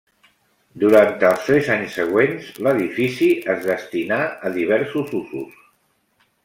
Durant els tres anys següents, l'edifici es destinà a diversos usos.